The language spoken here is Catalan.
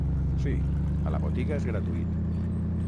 Sí, a la botiga és gratuït.